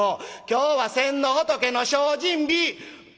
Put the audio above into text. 今日は先の仏の精進日！」。